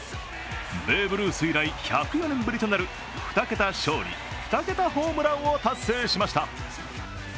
ベーブ・ルース以来、１０４年ぶりとなる２桁勝利２桁ホームランを達成しました。